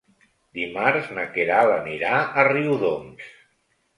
Dimarts na Queralt anirà a Riudoms.